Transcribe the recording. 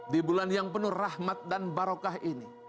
di bulan yang penuh rahmat dan barokah ini